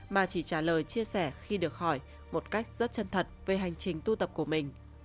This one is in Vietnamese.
mà chỉ trả lời chia sẻ khi được hỏi một cách rất chân thật về hành trình tu tập của mình